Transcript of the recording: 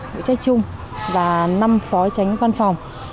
vụ trách chung và năm phó tránh văn phòng